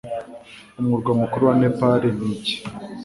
Umurwa mukuru wa Nepal ni iki